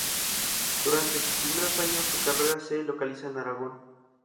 Durante sus primeros años, su carrera se localiza en Aragón.